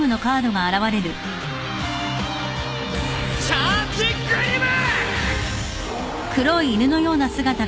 チャーチグリム！